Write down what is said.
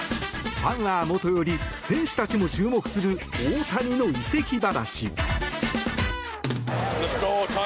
ファンはもとより選手たちも注目する大谷の移籍話。